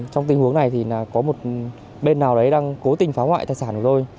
trong tình huống này thì có một bên nào đấy đang cố tình phá hoại tài sản của tôi